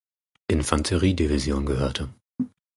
Infanteriedivision gehörte.